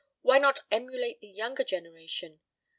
Why not emulate the younger generation?